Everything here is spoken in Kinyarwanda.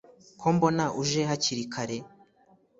ko mbona uje hakiri kare